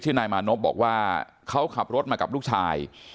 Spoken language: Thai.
นายมานพบอกว่าเขาขับรถมากับลูกชาย